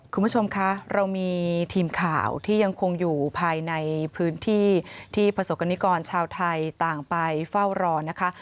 คุณผู้ชมคะเรามีทีมข่าวที่ยังคงอยู่ภายในพื้นที่ที่ประสบกรณิกรชาวไทยต่างไปเฝ้ารอนะคะ